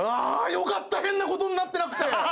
よかった変な事になってなくて。